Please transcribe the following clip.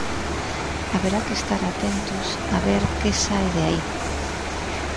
Haberá que estar atentos a ver que sae de aí.